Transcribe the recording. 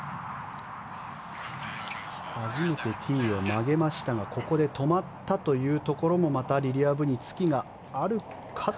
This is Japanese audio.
初めてティーを曲げましたがここで止まったというところもまたリリア・ブにつきがあるかと。